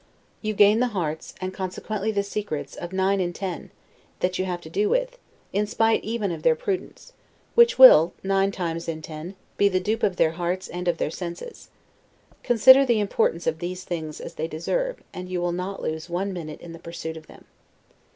You gain the hearts, and consequently the secrets, of nine in ten, that you have to do with, in spite even of their prudence; which will, nine times in ten, be the dupe of their hearts and of their senses. Consider the importance of these things as they deserve, and you will not lose one minute in the pursuit of them.